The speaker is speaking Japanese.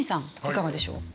いかがでしょう？